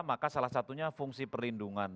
maka salah satunya fungsi perlindungan